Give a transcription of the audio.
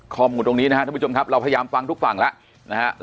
ข้อมูลตรงนี้นะครับท่านผู้ชมครับเราพยายามฟังทุกฝั่งแล้วนะครับ